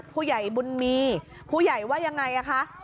ผู้ใหญ่บุญมีผู้ใหญ่ว่ายังไงคะ